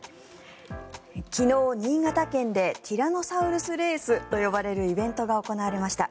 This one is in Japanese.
昨日、新潟県でティラノサウルスレースと呼ばれるイベントが行われました。